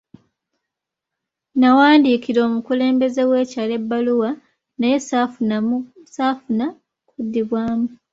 Nawandiikira omukulembeze w'ekyalo ebbaluwa naye ssaafuna kuddibwamu.